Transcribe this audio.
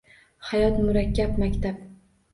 Hayot – murakkab maktab